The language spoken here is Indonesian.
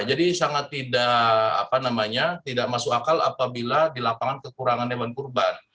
jadi sangat tidak masuk akal apabila di lapangan kekurangan hewan kurban